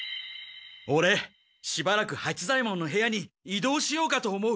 オレしばらく八左ヱ門の部屋に移動しようかと思う。